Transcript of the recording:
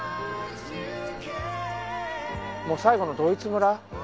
もう最後のドイツ村。